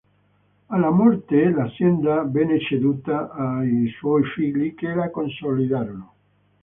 Alla morte l'azienda venne ceduta ai suoi figli che la consolidarono.